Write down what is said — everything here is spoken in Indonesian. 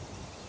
huh huh huh